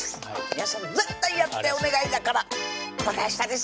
皆さん絶対やってお願いだからまた明日です